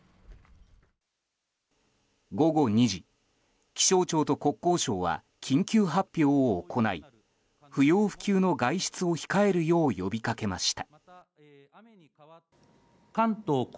午後２時、気象庁と国交省は緊急発表を行い不要不急の外出を控えるよう呼びかけました。